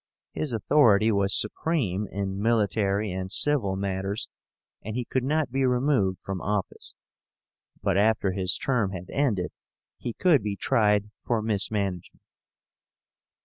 His authority was supreme in military and civil matters, and he could not be removed from office. But after his term had ended, he could be tried for mismanagement.